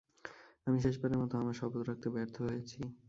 আমি শেষবারের মতো আমার শপথ রাখতে ব্যর্থ হয়েছি।